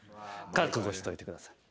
覚悟しといてください。